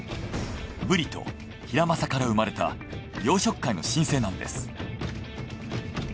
ブリとヒラマサから生まれた養殖界の新星なんです。